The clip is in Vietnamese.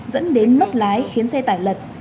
dẫn đến mất lái khiến xe tải lật